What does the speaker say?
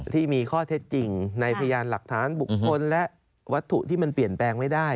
ที่มีข้อเท็จจริงในพยานหลักฐานบุคคลและวัตถุที่มันเปลี่ยนแปลงไม่ได้